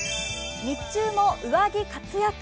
日中も上着活躍。